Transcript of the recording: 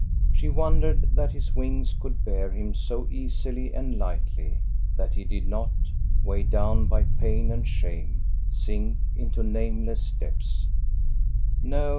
She wondered that his wings could bear him so easily and lightly, that he did not, weighed down by pain and shame, sink into nameless depths.